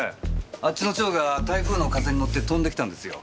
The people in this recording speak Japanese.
あっちの蝶が台風の風に乗って飛んできたんですよ。